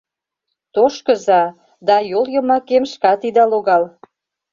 — Тошкыза... да йол йымакем шкат ида логал...